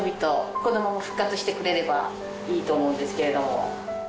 このまま復活してくれればいいと思うんですけれども。